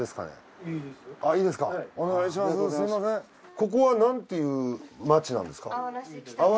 ここは何ていう町なんですか？